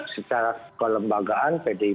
secara kelembagaan pdi